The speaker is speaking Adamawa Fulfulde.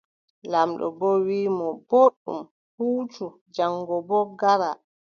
Laamɓo wii mo: booɗɗum huucu jaŋgo ngara.